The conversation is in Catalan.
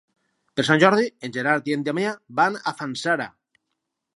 Per Sant Jordi en Gerard i en Damià van a Fanzara.